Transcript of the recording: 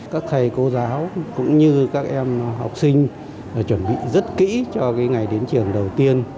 các thầy cô giáo cũng như các em học sinh chuẩn bị rất kỹ cho ngày đến trường đầu tiên